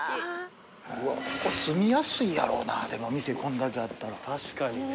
ここ住みやすいやろうな店こんだけあったら。